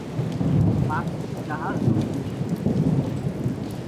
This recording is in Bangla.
পাঁচটি জাহাজ ডুবে গিয়েছিল।